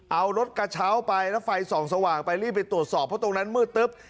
เอารถกระเช้าไปแล้วไฟส่องสว่างไปรีบไปตรวจสอบเพราะตรงนั้นมืดตึ๊บ